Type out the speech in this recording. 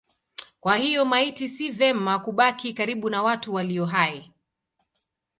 Kwa hiyo maiti si vema kubaki karibu na watu walio hai.